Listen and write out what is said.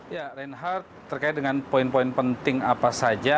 ya reinhard terkait dengan poin poin penting apa saja